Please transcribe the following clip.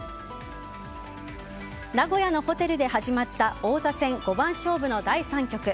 名古屋のホテルで始まった王座戦五番勝負の第３局。